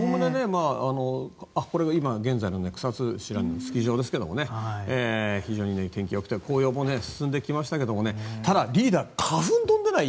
これ、今現在の草津のスキー場ですが非常に天気が良くて紅葉が進んできましたけどただ、リーダー花粉飛んでない？